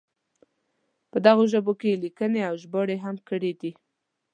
په دغو ژبو کې یې لیکنې او ژباړې هم کړې دي.